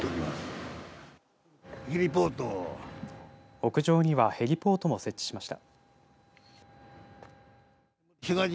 屋上にはヘリポートも設置しました。